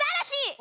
お！